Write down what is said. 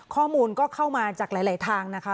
ข้อมูลก็เข้ามาจากหลายทางนะคะ